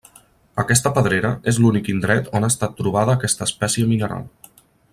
Aquesta pedrera és l'únic indret on ha estat trobada aquesta espècie mineral.